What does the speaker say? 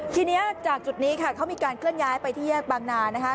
ทีนี้จากจุดนี้ค่ะเขามีการเคลื่อนย้ายไปที่แยกบางนานะคะ